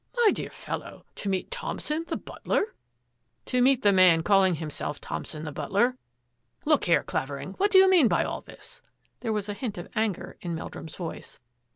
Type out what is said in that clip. " My dear fellow, to meet Thompson the but ler!'' " To meet the man calling himself Thompson the butler." " Look here, Clavering, what do you mean by all this ?" There was a hint of anger in Mel drum's voice.